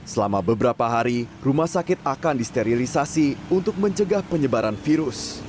selama beberapa hari rumah sakit akan disterilisasi untuk mencegah penyebaran virus